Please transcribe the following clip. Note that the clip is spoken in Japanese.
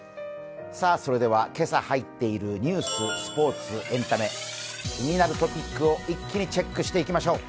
それでは、今朝入っている、ニュース、スポーツ、エンタメ気になるトピックを一気にチェックしていきましょう。